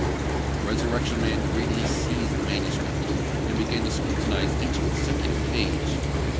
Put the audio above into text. The Resurrection Man greedily seized the manuscript, and began to scrutinise each consecutive page.